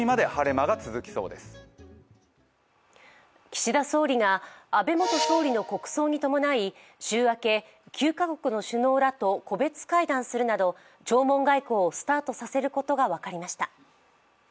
岸田総理が安倍元総理の国葬に伴い、週明け、９か国の首脳らと個別会談するなど弔問外交をスタートさせることが分かりました。